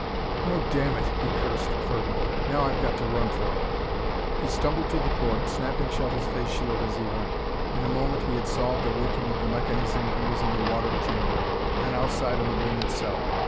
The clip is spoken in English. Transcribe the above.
"Oh, damn it!" he cursed fervently. "Now I've got to run for it!" He stumbled to the port, snapping shut his face shield as he went. In a moment he had solved the working of the mechanism and was in the water chamber, then outside in the room itself.